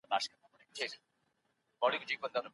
لا نه يې تللی زه څه وکړم .